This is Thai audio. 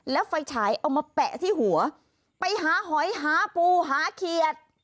แล้วไฟฉายเอามาแปะที่หัวไปหาหอยหาปูหาเขียด